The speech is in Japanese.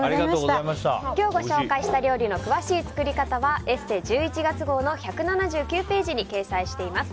今日ご紹介した料理の詳しい作り方は「ＥＳＳＥ」１１月号の１７９ページに掲載しています。